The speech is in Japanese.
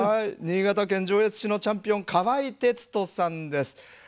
新潟県上越市のチャンピオン川合徹人さんです。